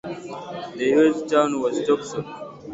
The uyezd town was Torzhok.